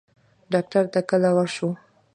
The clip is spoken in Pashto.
ډاکټر ته کله ورشو؟